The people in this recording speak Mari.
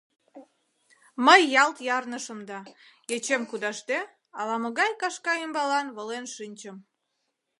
Мый ялт ярнышым да, ечем кудашде, ала-могай кашка ӱмбалан волен шинчым.